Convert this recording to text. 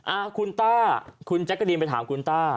อ่าคุณต้าคุณแจ๊กกะรีนไปถามคุณต้า